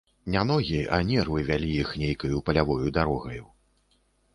Не ногі, а нервы вялі іх нейкаю палявою дарогаю.